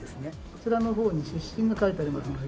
こちらの方に出身が書いてありますので。